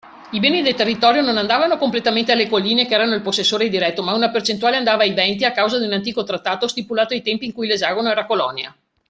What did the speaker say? I beni del territorio non andavano completamente alle colline, che erano il possessore diretto, ma una percentuale andava ai venti, a causa di un antico trattato, stipulato ai tempi in cui l’esagono era colonia.